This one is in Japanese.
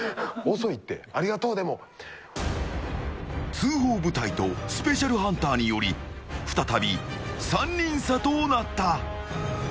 通報部隊とスペシャルハンターにより再び３人差となった。